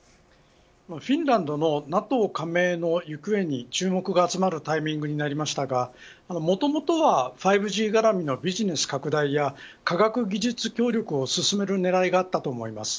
フィンランドのＮＡＴＯ加盟の行方に注目が集まるタイミングになりましたがもともとは５Ｇがらみのビジネス拡大や科学技術協力を進める狙いがあったと思います。